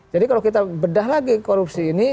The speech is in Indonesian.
jadi kalau kita bedah lagi korupsi ini